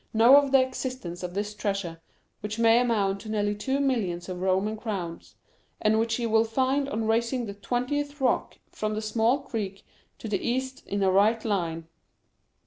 know of the existence of this treasure, which may amount to nearly two mil...lions of Roman crowns, and which he will find on raising the twentieth ro...ck from the small creek to the east in a right line.